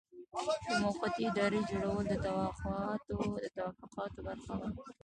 د موقتې ادارې جوړول د توافقاتو برخه وه.